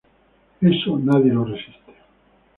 Eso nadie lo resiste.